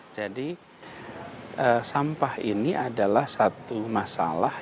jadi sampah ini adalah satu masalah